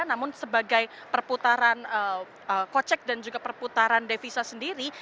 namun sebagai perputaran kocek dan juga perputaran devisa sendiri